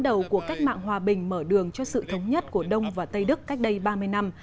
đầu của cách mạng hòa bình mở đường cho sự thống nhất của đông và tây đức cách đây ba mươi năm